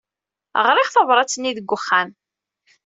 Ɣriɣ tabṛat-nni deg wexxam.